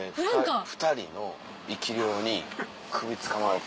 ２人の生き霊に首つかまれてた。